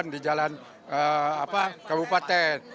di jalan apa kabupaten